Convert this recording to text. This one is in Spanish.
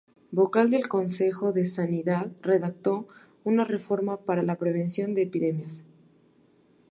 Vocal del Consejo de Sanidad, redactó una reforma para la prevención de epidemias.